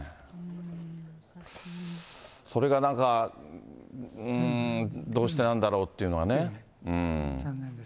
それがなんか、うーん、どうしてなんだろうっていうのはね。